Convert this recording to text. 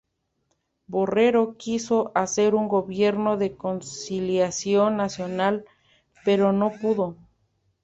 Borrero quiso hacer un gobierno de conciliación nacional, pero no pudo.